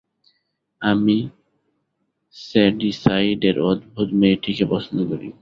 আমি শ্যাডিসাইডের অদ্ভুত মেয়েটিকে পছন্দ করি।